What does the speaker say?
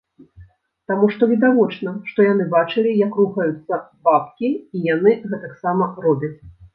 Таму што відавочна, што яны бачылі, як рухаюцца бабкі, і яны гэтаксама робяць.